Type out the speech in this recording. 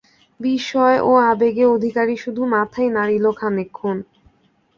বিস্ময়ে ও আবেগে অধিকারী শুধু মাথাই নাড়িল খানিকক্ষণ।